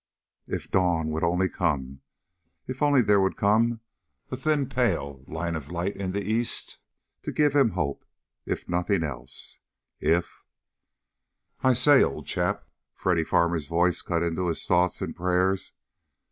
If dawn would only come! If only there would come a thin pale line of light in the east to give him hope, if nothing else! If "I say, old chap!" Freddy Farmer's voice cut into his thoughts, and prayers.